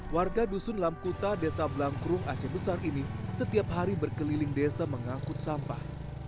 warga dusun lamkuta desa blangkrum aceh besar ini setiap hari berkeliling desa mengangkut sampah